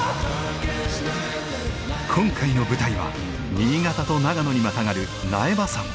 今回の舞台は新潟と長野にまたがる苗場山。